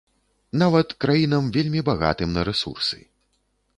Нават краінам, вельмі багатым на рэсурсы.